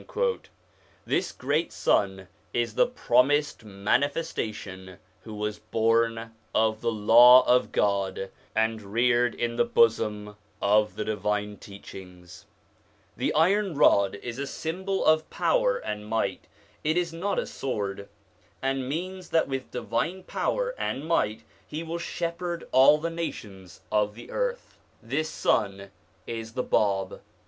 This great son is the promised Manifestation who was born of the Law of God and reared in the bosom of the divine teachings. ON THE INFLUENCE OF THE PROPHETS 81 The iron rod is a symbol of power and might it is not a sword and means that with divine power and might he will shepherd all the nations of the earth. This son is the Bab.